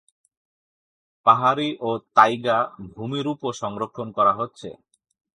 পাহাড়ি ও তাইগা ভূমিরূপও সংরক্ষণ করা হচ্ছে।